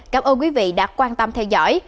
cảm ơn quý vị đã quan tâm theo dõi